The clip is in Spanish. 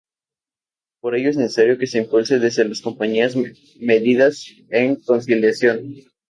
Por ello, es necesario que se impulse desde las compañías medidas de conciliación.